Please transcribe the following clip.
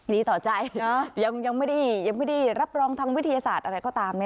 ดีต่อใจนะยังไม่ได้รับรองทางวิทยาศาสตร์อะไรก็ตาม